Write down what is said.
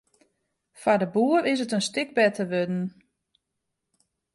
Foar de boer is it in stik better wurden.